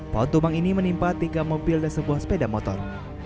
pohon tumbang ini menimpa tiga mobil dan sebuah sepeda motor